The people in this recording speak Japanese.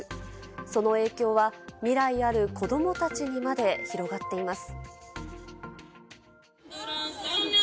その影響は未来ある子どもたちにまで広がっています。